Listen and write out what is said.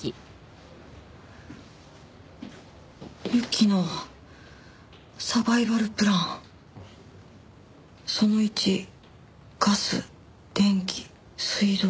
「雪のサバイバルプラン」「その１ガス電気水道のめいぎをかえる」